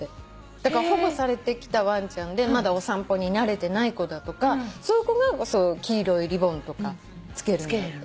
だから保護されてきたワンちゃんでまだお散歩に慣れてない子だとかそういう子が黄色いリボンとかつけるんだって。